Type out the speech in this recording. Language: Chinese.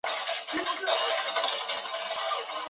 然而在建成混凝土核心部分后由于资金问题而停建。